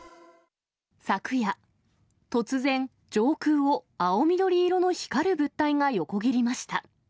昨夜、突然、上空を青緑色の光る物体が横切りました。